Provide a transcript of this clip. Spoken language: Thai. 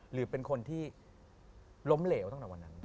หรือเป็นคนที่ล้มเหลวตั้งแต่วันนั้น